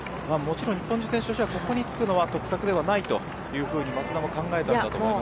日本人選手としてはここにつくのは得策ではないと考えたようです。